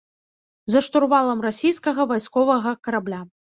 За штурвалам расійскага вайсковага карабля.